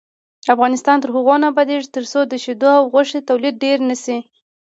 افغانستان تر هغو نه ابادیږي، ترڅو د شیدو او غوښې تولید ډیر نشي.